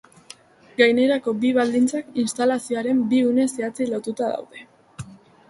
Gainerako bi baldintzak instalazioaren bi une zehatzei lotuta daude.